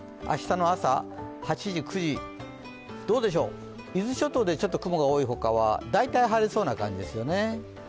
明日の朝、８時、９時、伊豆諸島でちょっと雲が多いほかは大体晴れそうな感じですね。